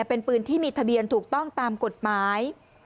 เป็นปืนที่มีทะเบียนถูกต้องตามกฎหมาย